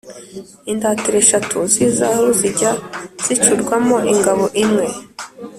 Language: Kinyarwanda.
indatira eshatu z’izahabu zikajya zicurwamo ingabo imwe